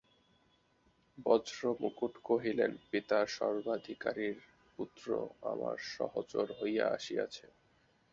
বজ্রমুকুট কহিলেন, পিতার সর্বাধিকারীর পুত্র আমার সহচর হইয়া আসিয়াছেন।